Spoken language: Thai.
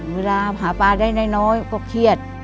เวลาหาปลาได้น้อยก็เครียด